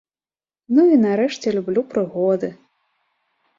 Ну і нарэшце люблю прыгоды.